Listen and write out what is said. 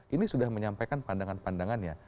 ini sudah menyampaikan pandangan pandangannya